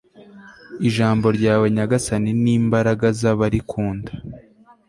ijambo ryawe nyagasani ni imbaraga z'abarikunda